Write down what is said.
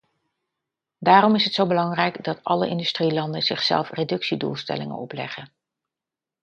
Daarom is het zo belangrijk dat alle industrielanden zichzelf reductiedoelstellingen opleggen.